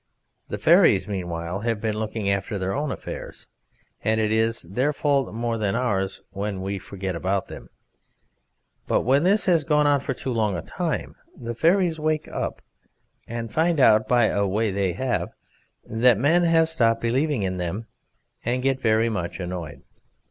The fairies meanwhile have been looking after their own affairs, and it is their fault more than ours when we forget about them. But when this has gone on for too long a time the fairies wake up and find out by a way they have that men have stopped believing in them, and get very much annoyed.